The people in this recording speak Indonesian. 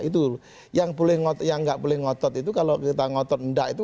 itu yang nggak boleh ngotot itu kalau kita ngotot enggak itu